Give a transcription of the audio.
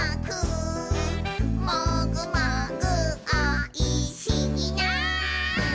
「もぐもぐおいしいな」